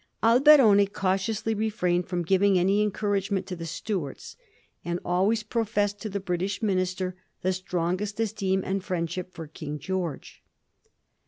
Alberoni cautiously refirained firom giving any encouragement to the Stuarts, and al ways professed to the British minister the strongest esteem and friendship for King George.